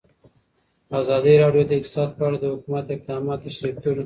ازادي راډیو د اقتصاد په اړه د حکومت اقدامات تشریح کړي.